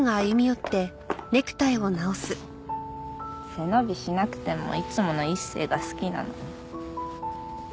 背伸びしなくてもいつもの一星が好きなのに。